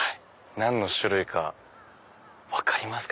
何の種類か分かりますか？